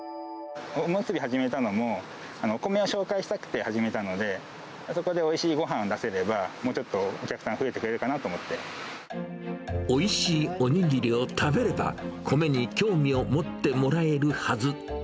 おむすび始めたのも、お米を紹介したくて始めたので、そこでおいしいごはんを出せれば、もうちょっとお客さん、増えてくおいしいおにぎりを食べれば、米に興味を持ってもらえるはず。